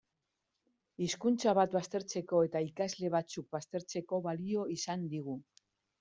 Hizkuntza bat baztertzeko eta ikasle batzuk baztertzeko balio izan digu.